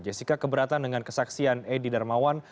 jessica keberatan dengan kesaksian edi darmawan